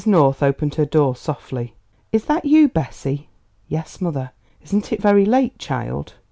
North opened her door softly. "Is that you, Bessie?" "Yes, mother." "Isn't it very late, child?"